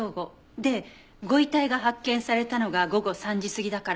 でご遺体が発見されたのが午後３時過ぎだから。